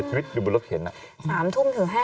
สามทุ่มถึงห้าทุ่ม